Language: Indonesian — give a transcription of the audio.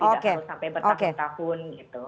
tidak harus sampai bertahun tahun